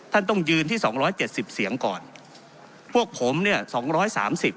ท่านต้องยืนที่๒๗๐เสียงก่อนพวกผมเนี่ย๒๓๐